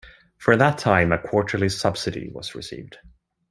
From that time a quarterly subsidy was received.